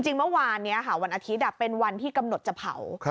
จริงเมื่อวานนี้ค่ะวันอาทิตย์เป็นวันที่กำหนดจะเผา